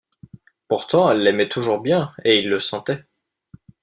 Pourtant elle l’aimait toujours bien, et il le sentait.